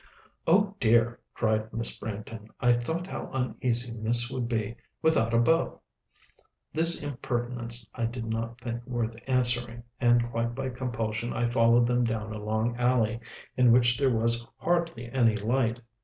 "O dear," cried Miss Branghton, "I thought how uneasy Miss would be, without a beau!" This impertinence I did not think worth answering; and quite by compulsion I followed them down a long alley, in which there was hardly any light.